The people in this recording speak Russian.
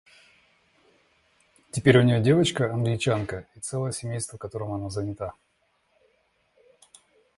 Теперь у ней девочка Англичанка и целое семейство, которым она занята.